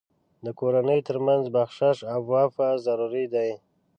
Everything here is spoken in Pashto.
د کورنۍ تر منځ بخشش او عفو ضروري دي.